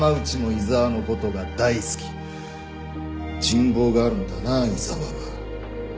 人望があるんだな井沢は。